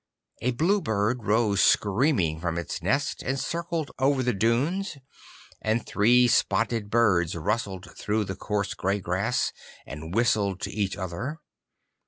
A blue bird rose screaming from its nest and circled over the dunes, and three spotted birds rustled through the coarse grey grass and whistled to each other.